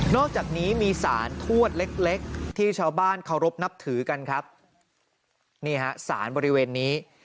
อกจากนี้มีสารทวดเล็กเล็กที่ชาวบ้านเคารพนับถือกันครับนี่ฮะสารบริเวณนี้